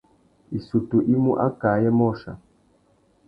Issutu i mú akā ayê môchia.